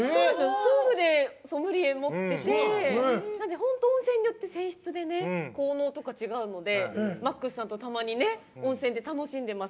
夫婦でソムリエ持っていて本当温泉によって泉質によって効能とか違うのでＭＡＸさんとたまに温泉で楽しんでます。